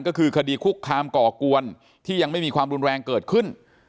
ก็คือคดีคุกคามก่อกวนที่ยังไม่มีความรุนแรงเกิดขึ้น